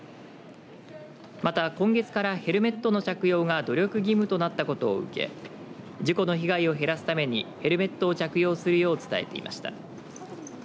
また今月からヘルメットの着用が努力義務となったことを受け事故の被害を減らすためにヘルメットを着用するよう伝えていました。